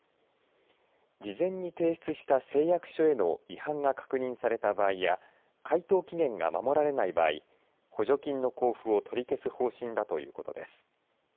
事前に提出した誓約書への違反が確認された場合や回答期限が守られない場合補助金の交付を取り消す方針だということです。